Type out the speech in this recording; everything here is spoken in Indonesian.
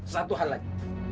satu hal lagi